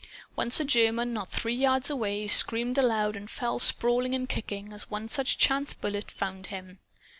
Once a German, not three yards away, screamed aloud and fell sprawling and kicking, as one such chance bullet found him.